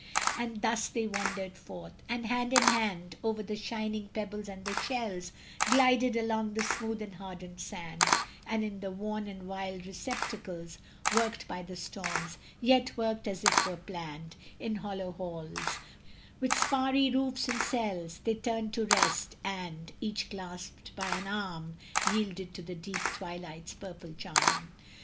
And thus they wandered forth, and hand in hand, Over the shining pebbles and the shells, Glided along the smooth and hardened sand, And in the worn and wild receptacles Worked by the storms, yet worked as it were planned, In hollow halls, with sparry roofs and cells, They turned to rest; and, each clasped by an arm, Yielded to the deep twilight's purple charm.